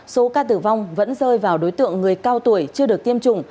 số ca tử vong vẫn rơi vào đối tượng người cao tuổi chưa được tiêm chủng